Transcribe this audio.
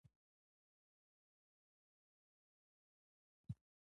انګلیسانو هند په جنګ کې ښکیل کړ.